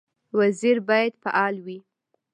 وزیر باید فعال وي